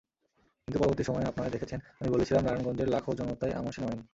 কিন্তু পরবর্তী সময়ে আপনারাই দেখেছেন—আমি বলেছিলাম, নারায়ণগঞ্জের লাখো জনতাই আমার সেনাবাহিনী।